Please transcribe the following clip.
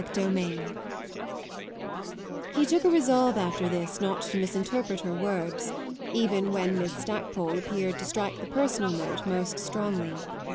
CHAPTER XI He took a resolve after this not to misinterpret her words even when Miss Stackpole appeared to strike the personal note most strongly.